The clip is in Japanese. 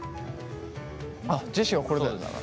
あっジェシーはこれだよな。